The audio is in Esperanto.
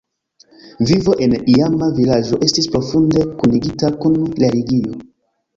Vivo en iama vilaĝo estis profunde kunigita kun religio.